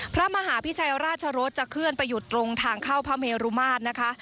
พระมหาพิชัยราชรสจะเคลื่อนไปหยุดตรงทางเข้าพระเมรุมาตรนะคะ